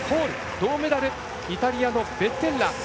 銅メダル、イタリアのベッテッラ。